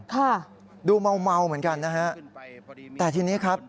ค่ะดูเมาเมาเหมือนกันนะฮะแต่ทีนี้ครับ